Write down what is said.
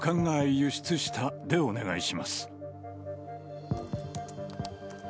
輸出したでお願いします。